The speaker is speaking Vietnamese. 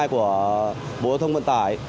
của bộ giao thông vận tải